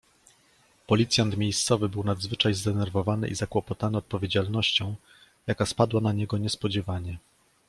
"Policjant miejscowy był nadzwyczaj zdenerwowany i zakłopotany odpowiedzialnością, jaka spadła na niego niespodziewanie."